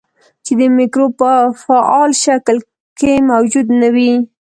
چې د مکروب په فعال شکل کې موجود نه وي.